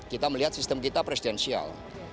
kita melihat sistem kita presidensial